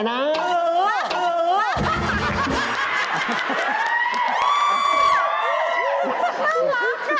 น่ารักค่ะ